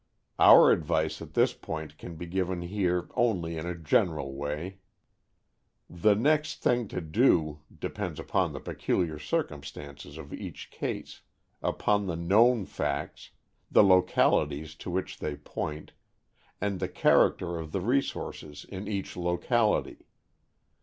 Our advice at this point can be given here only in a general way. "The next thing to do" depends upon the peculiar circumstances of each case upon the known facts, the localities to which they point, and the character of the resources in each locality.